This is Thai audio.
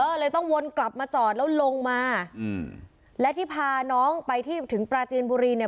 ก็เลยต้องวนกลับมาจอดแล้วลงมาอืมและที่พาน้องไปที่ถึงปราจีนบุรีเนี่ย